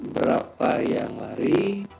berapa yang lari